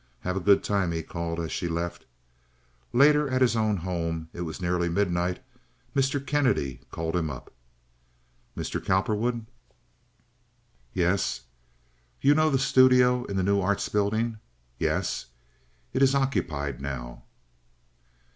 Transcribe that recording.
"Have a good time," he called, as she left. Later, at his own home—it was nearly midnight—Mr. Kennedy called him up. "Mr. Cowperwood?" "Yes." "You know the studio in the New Arts Building?" "Yes." "It is occupied now."